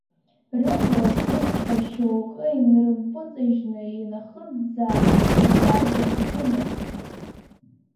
Рықалақь усҵәҟьа шьоукы инрымпыҵажьны инахыӡаа ицаргьы рҭахымызт.